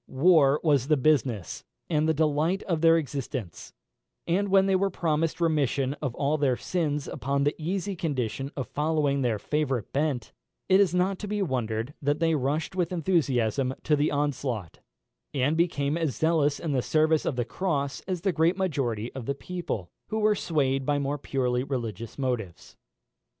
War was the business and the delight of their existence; and when they were promised remission of all their sins upon the easy condition of following their favourite bent, it is not to be wondered at that they rushed with enthusiasm to the onslaught, and became as zealous in the service of the cross as the great majority of the people, who were swayed by more purely religious motives.